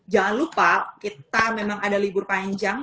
jangan lupa kita memang ada libur panjang